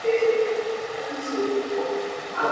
ამავე წელს სტივენ ალენ ბენსონი ესტუმრა ევროპას.